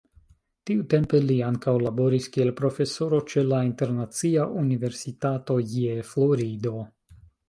Tiutempe li ankaŭ laboris kiel profesoro ĉe la Internacia Universitato je Florido.